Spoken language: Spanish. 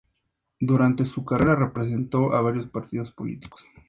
Durante su carrera representó a varios partidos políticos.